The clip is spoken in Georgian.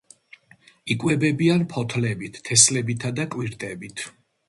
იკვებებიან ფოთლებით, თესლებითა და კვირტებით.